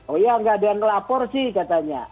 oh ya nggak ada yang lapor sih katanya